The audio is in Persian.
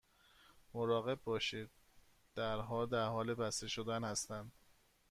مراقب باشید، درها در حال بسته شدن هستند.